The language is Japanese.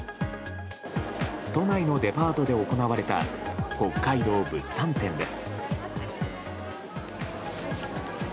都内のデパートで行われた北海道物産展です。